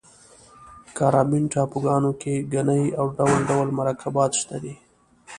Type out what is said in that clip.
کارابین ټاپوګانو کې ګني او ډول ډول مرکبات شته دي.